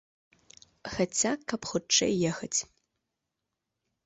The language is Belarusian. Хаця каб хутчэй ехаць.